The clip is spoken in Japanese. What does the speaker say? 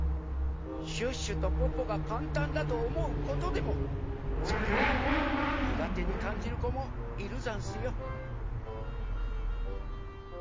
シュッシュとポッポがかんたんだとおもうことでもそれをにがてにかんじるこもいるざんすよ。